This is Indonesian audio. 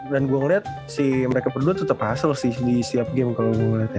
dan kalo gua liat si mereka berdua tetep hasil sih di setiap game kalo gua liat ya